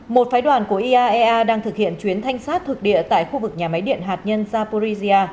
một phái đoàn của iaea đang thực hiện chuyến thanh sát thực địa tại khu vực nhà máy điện hạt nhân zaporizia